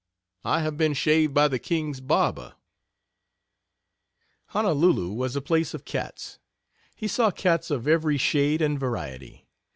I have been shaved by the king's barber." Honolulu was a place of cats. He saw cats of every shade and variety.